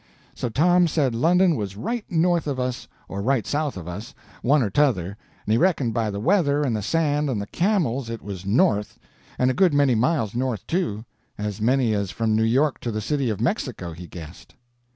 So Tom said London was right north of us or right south of us, one or t'other, and he reckoned by the weather and the sand and the camels it was north; and a good many miles north, too; as many as from New York to the city of Mexico, he guessed.